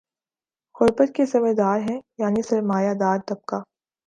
غربت کے ذمہ دار ہیں یعنی سر ما یہ دار طبقہ